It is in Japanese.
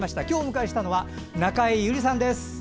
今日お迎えしたのは中江有里さんです。